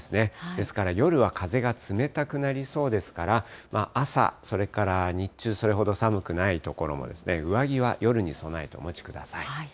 ですから夜は風が冷たくなりそうですから、朝それから日中、それほど寒くない所も、上着は夜に備えてお持ちください。